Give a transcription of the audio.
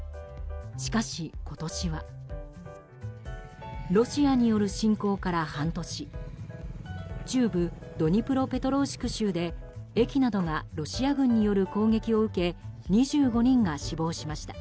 しかし、今年はロシアによる侵攻から半年中部ドニプロペトロウシク州で駅などがロシア軍による攻撃を受け２５人が死亡しました。